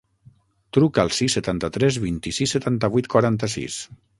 Truca al sis, setanta-tres, vint-i-sis, setanta-vuit, quaranta-sis.